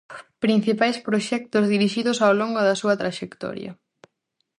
Principais proxectos dirixidos ao longo da súa traxectoria: